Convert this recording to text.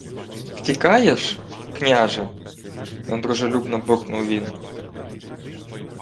— Втікаєш, княже? — недружелюбно буркнув він.